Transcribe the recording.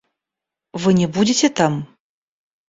Вы не будете там?